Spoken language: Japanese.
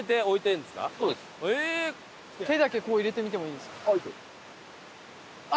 手だけ入れてみてもいいですか？